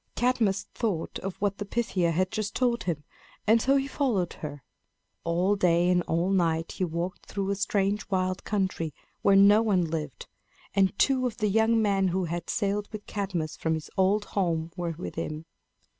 Cadmus thought of what the Pythia had just told him, and so he followed her. All day and all night he walked through a strange wild country where no one lived; and two of the young men who had sailed with Cadmus from his old home were with him.